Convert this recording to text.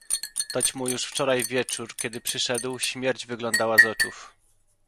"Toć mu już wczoraj wieczór, kiedy przyszedł, śmierć wyglądała z oczów."